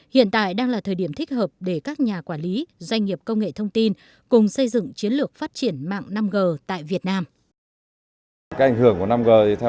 hiện tại đang là thời điểm thích hợp để các nhà quản lý doanh nghiệp công nghệ thông tin cùng xây dựng chiến lược phát triển mạng năm g tại việt nam